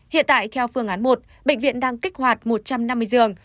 hiện tại theo phương án một bệnh viện đang kích hoạt một trăm năm mươi giường